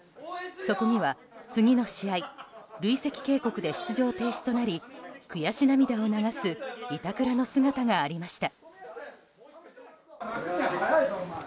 そこには次の試合累積警告で出場停止となり悔し涙を流す板倉の姿がありました。